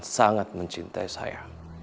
sangat mencintai saya